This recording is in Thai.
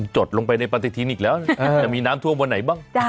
จดลงไปในปฏิทินอีกแล้วจะมีน้ำท่วมวันไหนบ้าง